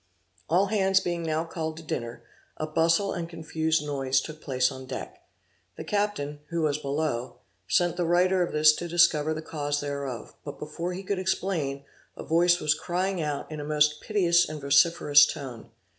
All hands being now called to dinner, a bustle and confused noise took place on deck. The captain (who was below) sent the writer of this to discover the cause thereof, but before he could explain, a voice was crying out in a most piteous and vociferous tone.